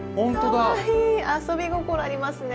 かわいい遊び心ありますね。